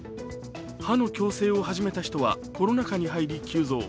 歯の矯正を始めた人はコロナ禍に入り急増。